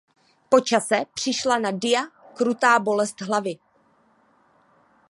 Po čase přišla na Dia krutá bolest hlavy.